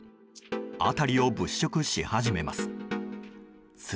辺りを物色し始めます。